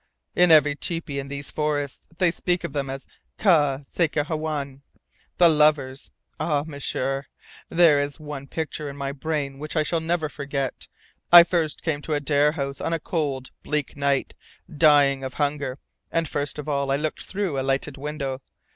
"In every tepee in these forests they speak of them as Kah Sakehewawin, 'the lovers.' Ah, M'sieur, there is one picture in my brain which I shall never forget. I first came to Adare House on a cold, bleak night, dying of hunger, and first of all I looked through a lighted window.